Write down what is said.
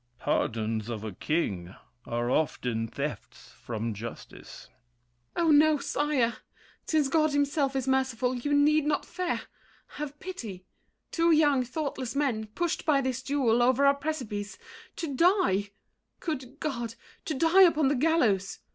THE KING. Pardons of a king Are often thefts from justice! MARION. Oh, no, sire! Since God himself is merciful, you need Not fear! Have pity! Two young, thoughtless men, Pushed by this duel o'er a precipice To die! Good God! to die upon the gallows!